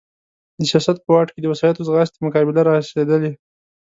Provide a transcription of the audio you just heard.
د سیاست په واټ کې د وسایطو ځغاستې مقابله را رسېدلې.